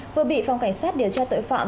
vừa bị phòng cảnh sát điều tra tội phạm